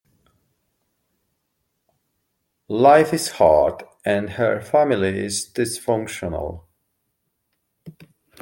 Life is hard, and her family is dysfunctional.